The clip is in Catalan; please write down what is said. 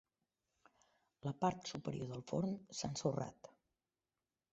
La part superior del forn s'ha ensorrat.